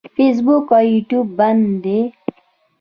فیسبوک او یوټیوب بند دي.